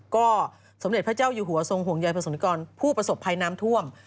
ก็สมเด็จพระเจ้าอยู่หัวทรงห่วงใยประสบนิกรผู้ประสบภัยน้ำท่วม